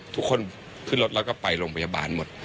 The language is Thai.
ทุกคนขึ้นรถแล้วก็ไปโรงพยาบาลหมด